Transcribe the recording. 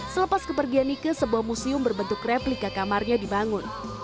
selepas kepergian nike sebuah museum berbentuk replika kamarnya dibangun